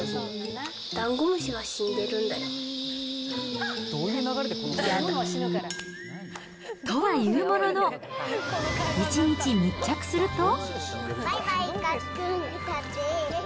ダンゴムシが死んでるんだよ。とはいうものの、１日密着すると。